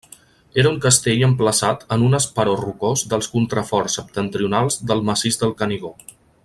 Era un castell emplaçat en un esperó rocós dels contraforts septentrionals del Massís del Canigó.